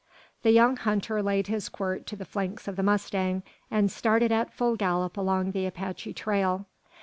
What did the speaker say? The young hunter laid his quirt to the flanks of the mustang, and started at full gallop along the Apache trail.